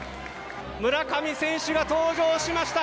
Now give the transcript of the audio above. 村上選手が登場しました。